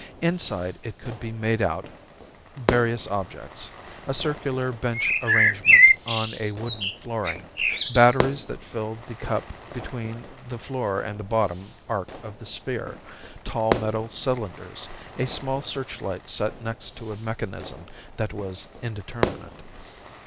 Inside it could be made out various objects a circular bench arrangement on a wooden flooring, batteries that filled the cup between the floor and the bottom arc of the sphere, tall metal cylinders, a small searchlight set next to a mechanism that was indeterminate.